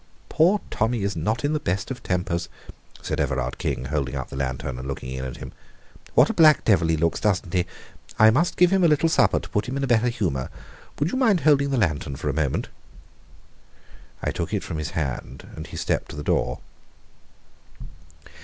"Poor Tommy is not in the best of tempers," said Everard King, holding up the lantern and looking in at him. "What a black devil he looks, doesn't he? I must give him a little supper to put him in a better humour. Would you mind holding the lantern for a moment?" I took it from his hand and he stepped to the door.